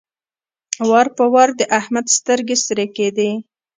وار په وار د احمد سترګې سرې کېدې.